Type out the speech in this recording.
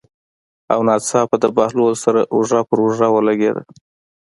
او ناڅاپه د بهلول سره اوږه په اوږه ولګېده.